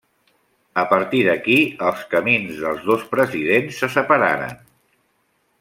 A partir d'aquí, els camins dels dos presidents se separaren.